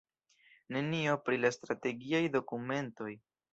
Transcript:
Nenio pri la strategiaj dokumentoj.